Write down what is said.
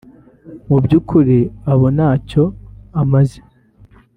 mu by’ukuri aba ntacyo amaze